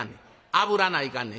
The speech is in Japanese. あぶらないかんねん。